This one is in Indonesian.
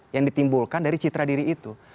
yang ditimbulkan dari citra diri itu